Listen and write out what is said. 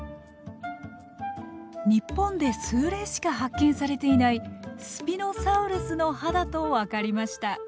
日本で数例しか発見されていないスピノサウルスの歯だと分かりました。